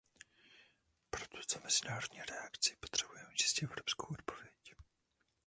Pro tuto mezinárodní reakci potřebujeme čistě evropskou odpověď.